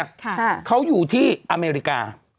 ค่ะเขาอยู่ที่อเมริกา